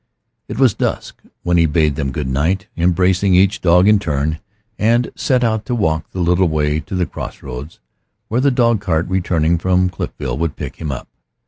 It was dusk when he bade them good night, embracing each dog in turn, and set out to walk the little way to the crossroads, where the dog cart returning from Cliffville would pick him up.